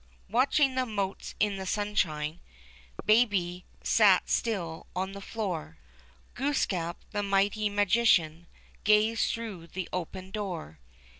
Watching the motes in the sunshine, Baby sat still on the floor ; (ilooskap, the mighty magician. Gazed through the open door.